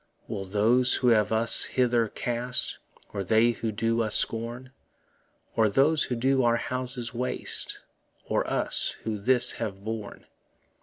Will those who have us hither cast? Or they who do us scorn? Or those who do our houses waste? Or us who this have borne?